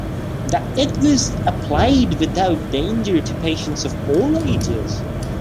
That it was applied without danger to patients of all ages.